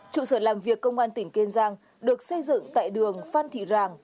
trụ sở làm việc công an tỉnh kiên giang được xây dựng tại đường phan thị ràng